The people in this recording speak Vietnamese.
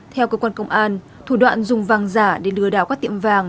theo cơ quan công an thủ đoạn dùng vàng giả để lừa đảo các tiệm vàng